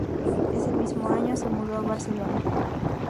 Ese mismo año se mudó a Barcelona.